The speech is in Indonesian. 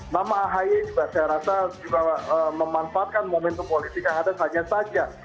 nama ahi saya rasa juga memanfaatkan momentum politik yang ada hanya saja